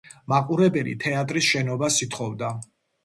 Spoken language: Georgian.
მაყურებელი თეატრის შენობას ითხოვდა.